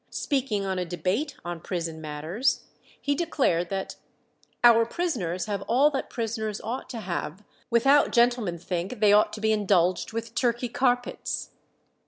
Speaking on a debate on prison matters, he declared that "our prisoners have all that prisoners ought to have, without gentlemen think they ought to be indulged with Turkey carpets."